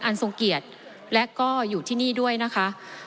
ทรงเกียรติและก็อยู่ที่นี่ด้วยนะคะ